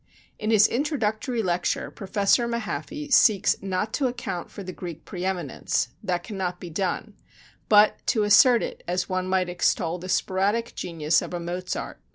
In his introductory lecture Professor Mahaffy seeks not to account for the Greek preëminence that cannot be done; but to assert it, as one might extol the sporadic genius of a Mozart.